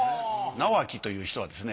直亮という人はですね